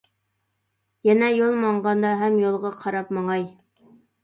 يەنە يول ماڭغاندا ھەم يولغا قاراپ ماڭاي.